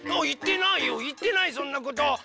いってないよいってないそんなこと！